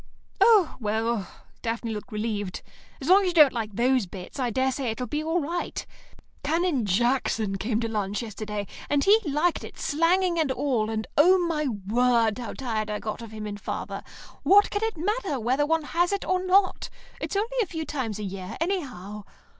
"Oh, well," Daphne looked relieved. "As long as you don't like those bits, I daresay it'll be all right. Canon Jackson came to lunch yesterday, and he liked it, slanging and all, and oh, my word, how tired I got of him and father! What can it matter whether one has it or not? It's only a few times a year, anyhow.